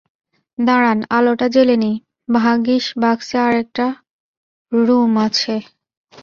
দাঁড়ান আলোটা জেলে নিই, ভাগ্যিাস বাক্সে আর একটা ড়ুম আছে।